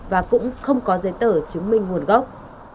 và cũng không có giấy tờ chứng minh nguồn gốc